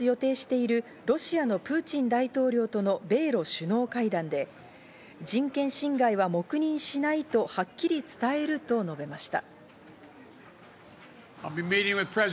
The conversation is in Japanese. アメリカのバイデン大統領は３０日、来月予定しているロシアのプーチン大統領との米露首脳会談で、人権侵害は黙認しないとはっきり伝えると述べました。